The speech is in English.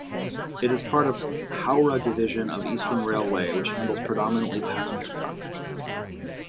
It is part of Howrah Division of Eastern Railway, which handles predominantly passenger traffic.